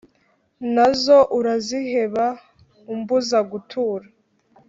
Nazo uraziheba umbuza gutura